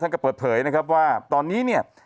ก็เปิดเผยนะครับว่าตอนนี้เนี่ย